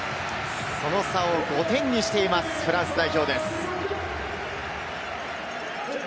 その差を５点にしています、フランス代表です。